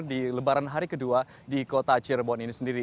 di lebaran hari kedua di kota cirebon ini sendiri